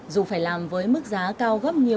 dù phải làm với mức giá cao gấp nhiều